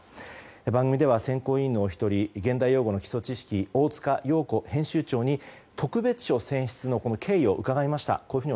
番組では、選考委員のお一人「現代用語の基礎知識」の大塚陽子編集長に特別賞受賞の経緯を伺いました。